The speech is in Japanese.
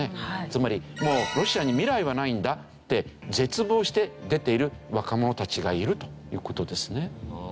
つまりもうロシアに未来はないんだって絶望して出ている若者たちがいるという事ですね。